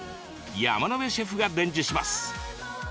山野辺シェフが伝授します。